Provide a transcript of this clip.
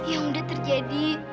yang udah terjadi